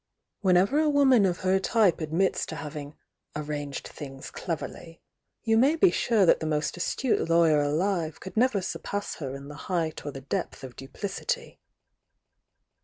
Whenever a woman of her type admits to having "arranged things clever ly you may be sure that the most astute lawyer ahve could never surpass her in the height or the depth of duplicity.